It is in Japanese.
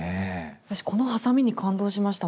私このハサミに感動しました